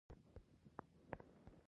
سرود د وطن سندره ده